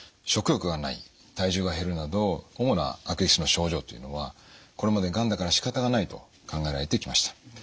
食欲がない体重が減るなど主な悪液質の症状というのはこれまで「がんだからしかたがない」と考えられてきました。